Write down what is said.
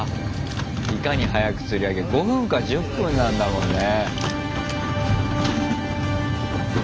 いかに早く釣り上げるか５分か１０分なんだもんね。